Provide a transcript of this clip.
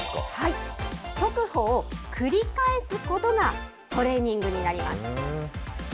速歩を繰り返すことがトレーニングになります。